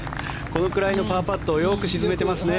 これくらいのパーパットをよく沈めてますね。